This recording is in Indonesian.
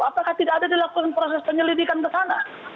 apakah tidak ada dilakukan proses penyelidikan ke sana